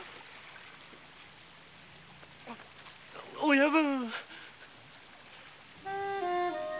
親分‼